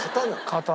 刀。